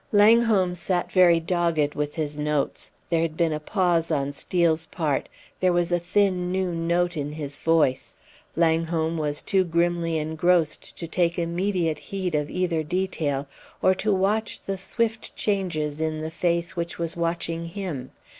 Langholm sat very dogged with his notes. There had been a pause on Steel's part; there was a thin new note in his voice. Langholm was too grimly engrossed to take immediate heed of either detail, or to watch the swift changes in the face which was watching him.